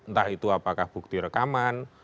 entah itu apakah bukti rekaman